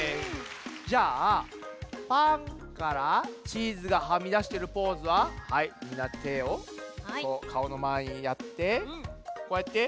じゃあパンからチーズがはみだしてるポーズははいみんなてをかおのまえにやってこうやって「やあ」。